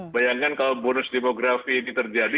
bayangkan kalau bonus demografi ini terjadi